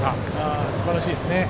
すばらしいですね。